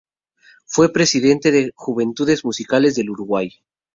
Fue presidente de Juventudes Musicales del Uruguay.